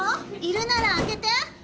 いるなら開けて！